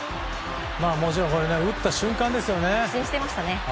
もちろん、打った瞬間ですね。